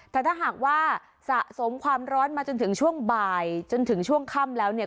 แต่ถ้าหากว่าสะสมความร้อนมาจนถึงช่วงบ่ายจนถึงช่วงค่ำแล้วเนี่ย